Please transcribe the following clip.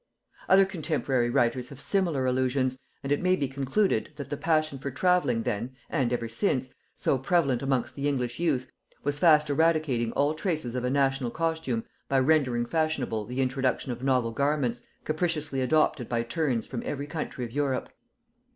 Other contemporary writers have similar allusions, and it may be concluded, that the passion for travelling then, and ever since, so prevalent amongst the English youth, was fast eradicating all traces of a national costume by rendering fashionable the introduction of novel garments, capriciously adopted by turns from every country of Europe.